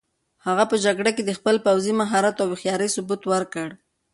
هغه په جګړه کې د خپل پوځي مهارت او هوښیارۍ ثبوت ورکړ.